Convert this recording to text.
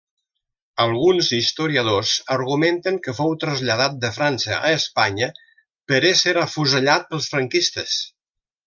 Alguns historiadors argumenten que fou traslladat de França a Espanya per ésser afusellat pels franquistes.